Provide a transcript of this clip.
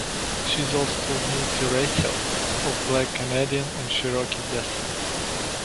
She is also multi-racial, of Black Canadian and Cherokee descent.